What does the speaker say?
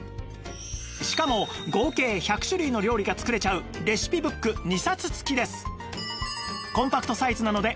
しかも合計１００種類の料理が作れちゃうレシピブック２冊付きです